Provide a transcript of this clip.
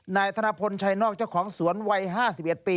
นายธนพลชัยนอกเจ้าของสวนวัย๕๑ปี